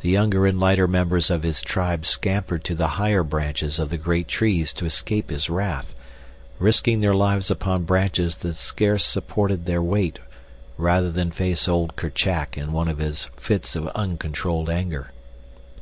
The younger and lighter members of his tribe scampered to the higher branches of the great trees to escape his wrath; risking their lives upon branches that scarce supported their weight rather than face old Kerchak in one of his fits of uncontrolled anger.